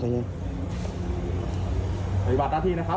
เดี๋ยวกูย้ายทางโรงพักษ์